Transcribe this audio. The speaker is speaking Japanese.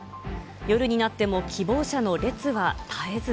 夜になっても希望者の列は絶えず。